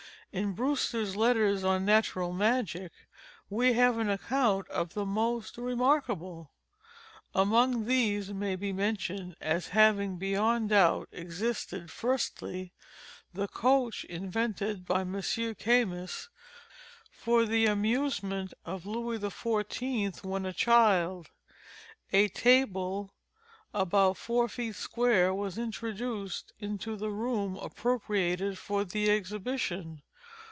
In Brewster's Letters on Natural Magic, we have an account of the most remarkable. Among these may be mentioned, as having beyond doubt existed, firstly, the coach invented by M. Camus for the amusement of Louis XIV when a child. A table, about four feet square, was introduced, into the room appropriated for the exhibition.